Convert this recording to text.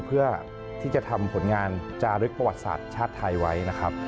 เพื่อที่จะทำผลงานจารึกประวัติศาสตร์ชาติไทยไว้นะครับ